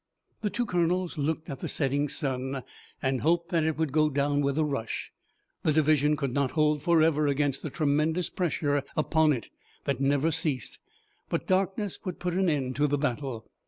The two colonels looked at the setting sun, and hoped that it would go down with a rush. The division could not hold forever against the tremendous pressure upon it that never ceased, but darkness would put an end to the battle.